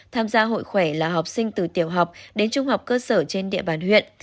tham gia hội khỏe là học sinh từ tiểu học đến trung học cơ sở trên địa bàn huyện